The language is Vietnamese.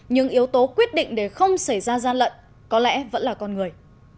nhưng yếu tố quyết định để không xảy ra gian lận có lẽ vẫn là con người